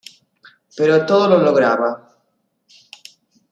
Pero todo lo lograba.